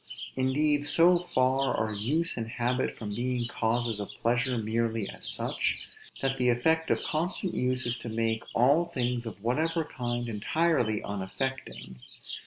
Indeed so far are use and habit from being causes of pleasure merely as such, that the effect of constant use is to make all things of whatever kind entirely unaffecting.